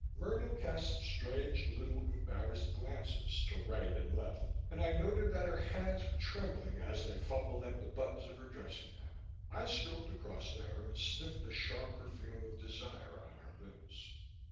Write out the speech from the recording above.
Myrtle cast strange little embarrassed glances to right and left and I noted that her hands were trembling as they fumbled at the buttons of her dressing gown. I strolled across to her and sniffed the sharp perfume of desire on her limbs.